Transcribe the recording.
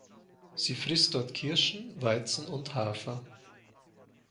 Sie frisst dort Kirschen, Weizen und Hafer.